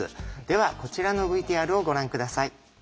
ではこちらのＶＴＲをご覧下さい。